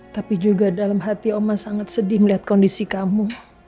tapi juga dalam hati oma sangat sedih melihat kondisi kamu